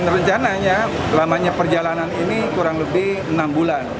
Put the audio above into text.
rencananya lamanya perjalanan ini kurang lebih enam bulan